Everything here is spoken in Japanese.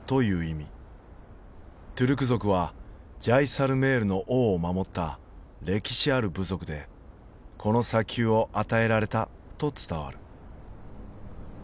トゥルク族はジャイサルメールの王を守った歴史ある部族でこの砂丘を与えられたと伝わる。